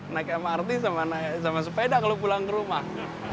naik mrt sama sepeda kalau pulang ke rumah